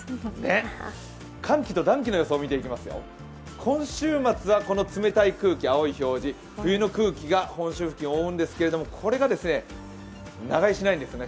寒気と暖気の予想を見ていきますよ、今週末は冷たい空気、青い表示、冬の空気が本州付近を覆うんですけどこれが長居しないんですよね。